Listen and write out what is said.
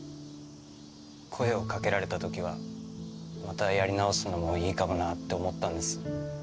声を掛けられたときはまたやり直すのもいいかもなって思ったんです。